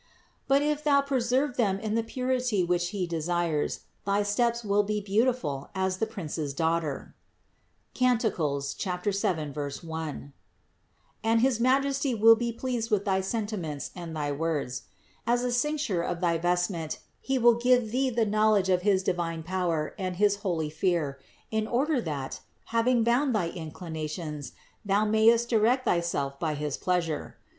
But if thou preserve them in 2 3 14 INTRODUCTION the purity which He desires, thy steps will be beautiful as the Prince's daughter (Cant. 7, 1), and his Majesty will be pleased with thy sentiments and thy words. As a cincture of thy vestment He will give thee the knowledge of his divine power and his holy fear, in order that, hav ing bound thy inclinations, thou mayest direct thyself by his pleasure.